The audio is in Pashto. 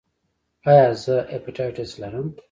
ایا زه هیپاټایټس لرم؟